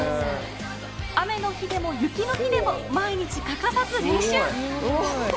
雨の日でも、雪の日でも毎日欠かさず練習。